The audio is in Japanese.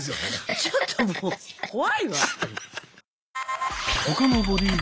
ちょっともう怖いわ。